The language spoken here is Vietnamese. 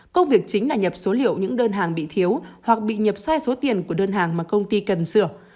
công việc chính là nhập số liệu những đơn hàng bị thiếu hoặc bị nhập sai số tiền của đơn hàng mà công ty cần sửa